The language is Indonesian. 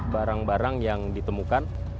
barang barang yang ditemukan